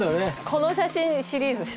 「この写真」シリーズです。